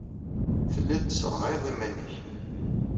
Telliḍ tesserɣayeḍ iman-nnek.